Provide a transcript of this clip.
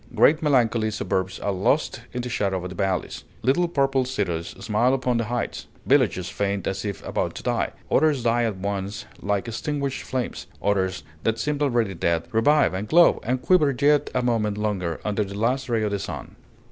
Great melancholy suburbs are lost in the shadow of the valleys; little purple cities smile upon the heights; villages faint as if about to die; others die at once like extinguished flames; others, that seemed already dead, revive, and glow, and quiver yet a moment longer under the last ray of the sun.